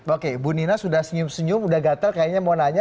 oke ibu nina sudah senyum senyum sudah gatel kayaknya mau nanya